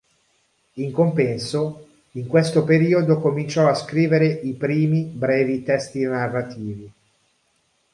In compenso, in questo periodo cominciò a scrivere i primi, brevi testi narrativi.